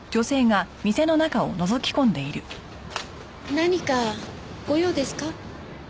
何かご用ですか？